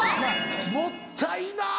もったいな！